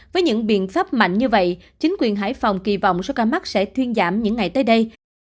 với những biện pháp mạnh như vậy chính quyền hải phòng kỳ vọng số ca mắc sẽ thuyên giảm những ngày tới đây